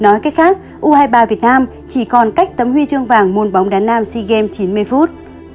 nói cách khác u hai mươi ba việt nam chỉ còn cách tấm huy chương vàng môn bóng đá nam sea games chín mươi phút